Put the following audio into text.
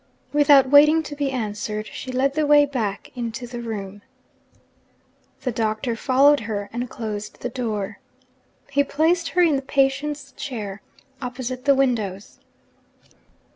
Without waiting to be answered, she led the way back into the room. The Doctor followed her, and closed the door. He placed her in the patients' chair, opposite the windows.